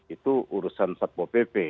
itu urusan satpo pp